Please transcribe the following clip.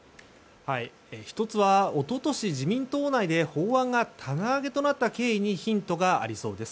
１つは一昨年、自民党内で法案が棚上げとなった経緯にヒントがありそうです。